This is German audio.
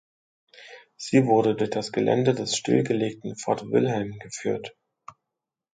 Sie wurde durch das Gelände des stillgelegten Fort Wilhelm geführt.